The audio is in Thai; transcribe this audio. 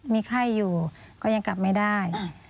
มีไข้อยู่ก็ยังกลับไม่ได้